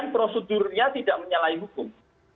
prosedurnya tidak menyalahi hukum